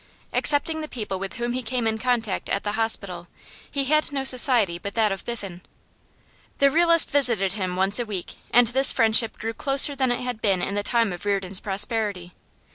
Excepting the people with whom he came in contact at the hospital, he had no society but that of Biffen. The realist visited him once a week, and this friendship grew closer than it had been in the time of Reardon's prosperity.